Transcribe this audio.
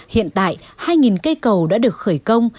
hiện tại hai cây cầu đã được khởi công